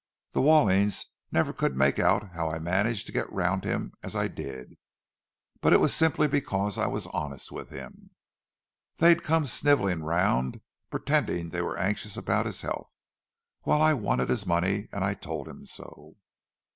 "The Wallings never could make out how I managed to get round him as I did; but it was simply because I was honest with him. They'd come snivelling round, pretending they were anxious about his health; while I wanted his money, and I told him so."